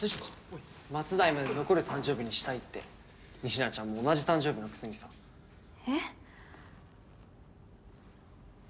おい末代まで残る誕生日にしたいって仁科ちゃんも同じ誕生日のくせにさえっ？